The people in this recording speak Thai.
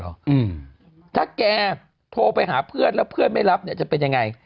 อืมถ้าแกโทรไปหาเพื่อนแล้วเพื่อนไม่รับเนี้ยจะเป็นยังไง